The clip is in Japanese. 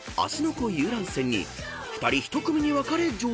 湖遊覧船に２人１組に分かれ乗船］